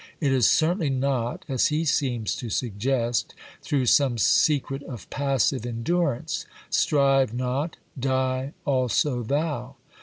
It is certainly not, as he seems to suggest, through some secret of passive endurance :" Strive not, die also thou